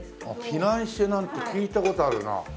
フィナンシェなんて聞いた事あるな。